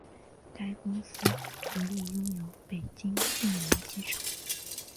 该公司独立拥有北京定陵机场。